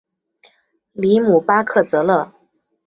里姆巴克泽勒。